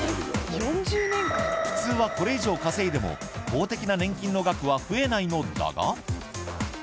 普通は、これ以上稼いでも公的な年金の額は増えないのだが。